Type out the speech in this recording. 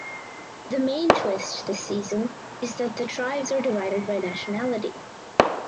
The main twist this season is that the tribes are divided by nationality.